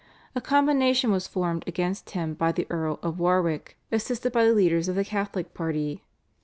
A combination was formed against him by the Earl of Warwick, assisted by the leaders of the Catholic party.